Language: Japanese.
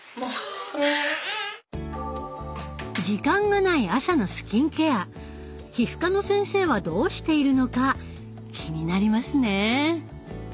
時間がない朝のスキンケア皮膚科の先生はどうしているのか気になりますね。